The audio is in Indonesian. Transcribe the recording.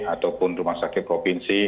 ataupun rumah sakit provinsi